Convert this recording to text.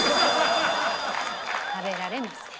食べられません。